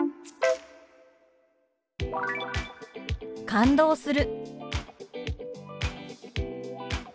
「感動する」。